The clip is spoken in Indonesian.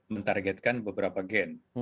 mentargetkan beberapa gen